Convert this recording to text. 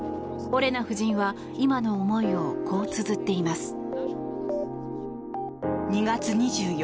オレナ夫人は今の思いをこうつづっています。